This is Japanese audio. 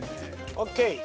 ＯＫ。